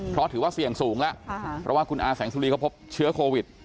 เพราะถือว่าเสี่ยงสูงแล้วเพราะว่าคุณอาแสงสุรีเขาพบเชื้อโควิด